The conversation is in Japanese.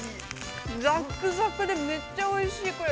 ◆ザクザクで、めっちゃおいしい、これ。